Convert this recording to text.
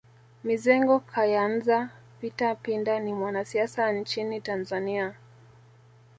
Mizengo Kayanza Peter Pinda ni mwanasiasa nchini Tanzania